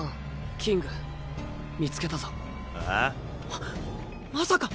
はっまさか。